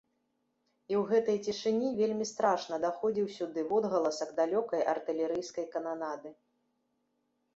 І ў гэтай цішыні вельмі страшна даходзіў сюды водгаласак далёкай артылерыйскай кананады.